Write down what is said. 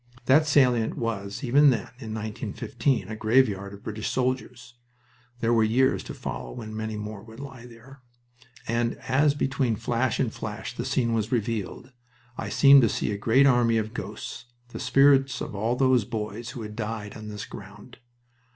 That salient was, even then, in 1915, a graveyard of British soldiers there were years to follow when many more would lie there and as between flash and flash the scene was revealed, I seemed to see a great army of ghosts, the spirits of all those boys who had died on this ground.